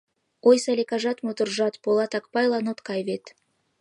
Ой, Саликажат, моторжат, Полат Акпайлан от кай вет!..